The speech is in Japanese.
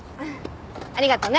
ありがとね。